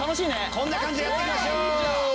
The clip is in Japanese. こんな感じでやっていきましょう。